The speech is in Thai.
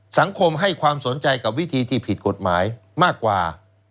สังคมให้ความสนใจกับวิธีที่ผิดกฎหมายมากกว่า